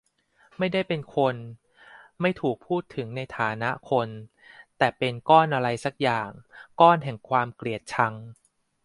ไม่ได้เป็น-คน ไม่ถูกพูดถึงในฐานะ -คน แต่เป็นก้อนอะไรสักอย่าง ก้อนแห่งความเกลียดชัง